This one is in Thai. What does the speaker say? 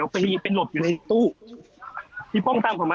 พี่ป้องตามขอมาพี่ป้องตามขอมา